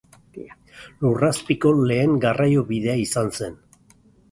Lurrazpiko lehen garraiobidea izan zen.